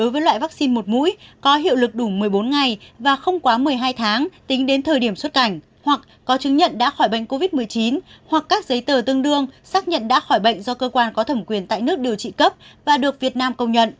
với loại vaccine một mũi có hiệu lực đủ một mươi bốn ngày và không quá một mươi hai tháng tính đến thời điểm xuất cảnh hoặc có chứng nhận đã khỏi bệnh covid một mươi chín hoặc các giấy tờ tương đương xác nhận đã khỏi bệnh do cơ quan có thẩm quyền tại nước điều trị cấp và được việt nam công nhận